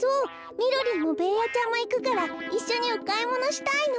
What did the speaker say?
みろりんもベーヤちゃんもいくからいっしょにおかいものしたいの。